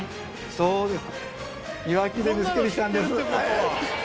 そうです。